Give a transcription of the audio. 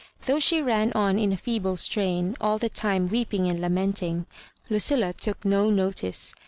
Though she ran on in a feeble strain all the time weeping and lamenting, Lucilla took no notice.